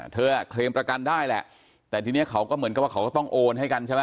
เคลมประกันได้แหละแต่ทีนี้เขาก็เหมือนกับว่าเขาก็ต้องโอนให้กันใช่ไหม